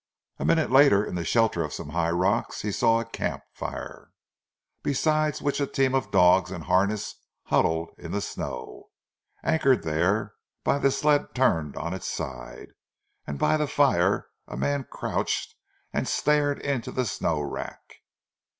A minute later, in the shelter of some high rocks, he saw a camp fire, beside which a team of dogs in harness huddled in the snow, anchored there by the sled turned on its side, and by the fire a man crouched and stared into the snow wrack.